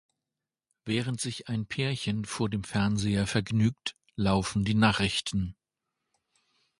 Während sich ein Pärchen vor dem Fernseher vergnügt, laufen die Nachrichten.